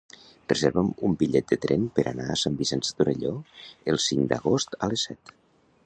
Reserva'm un bitllet de tren per anar a Sant Vicenç de Torelló el cinc d'agost a les set.